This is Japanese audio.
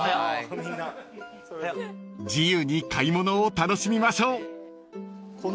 ［自由に買い物を楽しみましょう］